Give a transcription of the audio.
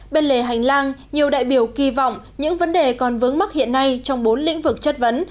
bên lề hành lang nhiều đại biểu kỳ vọng những vấn đề còn vướng mắc hiện nay trong bốn lĩnh vực chất vấn